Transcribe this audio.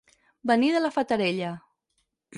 Venir de la Fatarella.